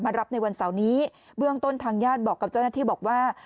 รับในวันเสาร์นี้เบื้องต้นทางญาติบอกกับเจ้าหน้าที่บอกว่า